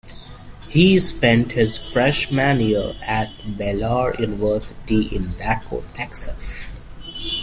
He spent his freshman year at Baylor University in Waco, Texas.